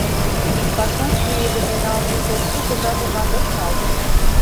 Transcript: Пашам пуэдыме-налме шот шуко жапымак ыш нал.